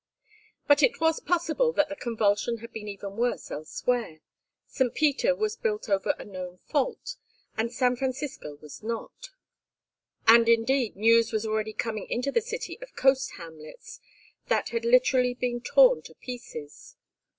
But it was possible that the convulsion had been even worse elsewhere. St. Peter was built over a known fault, and San Francisco was not; and indeed news was already coming into the city of coast hamlets that had literally been torn to pieces.